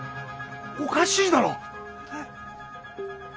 おかしいだろ？